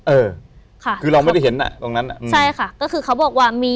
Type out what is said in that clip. เออค่ะคือเราไม่ได้เห็นอ่ะตรงนั้นอ่ะใช่ค่ะก็คือเขาบอกว่ามี